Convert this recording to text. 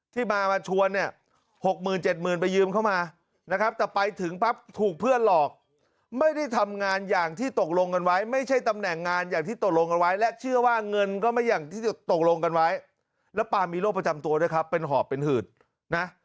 ที่มามาชวนเนี่ยหกหมื่นเจ็ดหมื่นไปยืมเข้ามานะครับแต่ไปถึงปั๊บถูกเพื่อนหลอกไม่ได้ทำงานอย่างที่ตกลงกันไว้ไม่ใช่ตำแหน่งงานอย่างที่ตกลงกันไว้และเชื่อว่าเงินก็ไม่อย่างที่ตกลงกันไว้แล้วปามมีโรคประจำตัวด้วยครับเป็นหอบเป็นหืดนะ